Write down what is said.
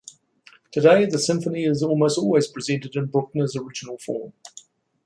Today the symphony is almost always presented in Bruckner's original form.